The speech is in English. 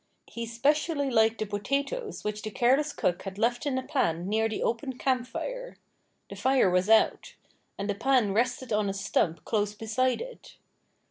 He 'specially liked some potatoes which the careless cook had left in a pan near the open camp fire. The fire was out. And the pan rested on a stump close beside it.